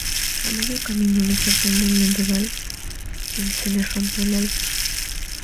A medio camino, les sorprende un vendaval y se les rompe el álbum.